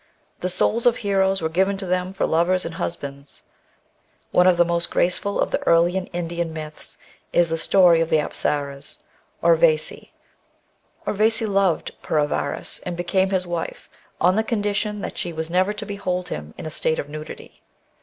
The souls of heroes were given to them for lovers and husbands. One of the most graceful of the early Indian myths is the story of the apsaras, Urvagi. Urvagi loved Pura varas and became his wife, on the condition that she was never to behold him in a state of nudity.